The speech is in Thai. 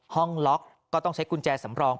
ห้องล็อกก็ต้องใช้กุญแจสำรอง